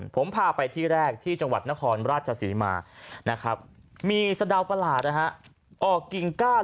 ผมพาไปที่แรกที่จังหวัดนครราชศรีมามีสะดาวปลาหลาดออกกิ้งก้าน